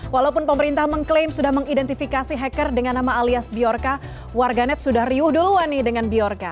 walaupun pemerintah mengklaim sudah mengidentifikasi hacker dengan nama alias biorca warganet sudah riuh duluan nih dengan biorka